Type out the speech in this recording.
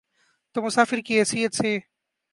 تو مسافر کی حیثیت سے۔